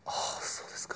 そうですか